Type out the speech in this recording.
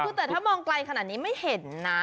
คือแต่ถ้ามองไกลขนาดนี้ไม่เห็นนะ